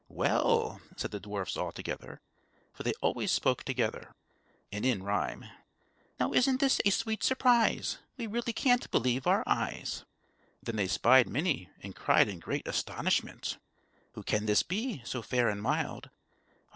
"Well!" said the dwarfs all together, for they always spoke together and in rhyme, "Now isn't this a sweet surprise? We really can't believe our eyes!" Then they spied Minnie, and cried in great astonishment: "_Who can this be, so fair and mild?